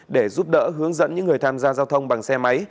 để giúp đỡ hướng dẫn những người tham gia giao thông bằng xe máy